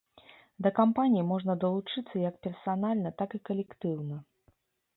Да кампаніі можна далучыцца як персанальна, так і калектыўна.